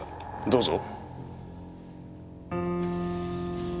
どうぞ。